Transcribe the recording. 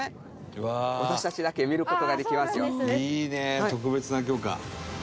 「いいね特別な許可」